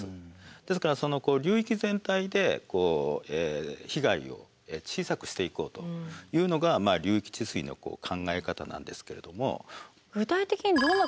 ですから流域全体で被害を小さくしていこうというのが流域治水の考え方なんですけれども。